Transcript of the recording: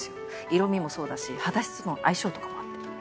色味もそうだし肌質との相性とかもあって。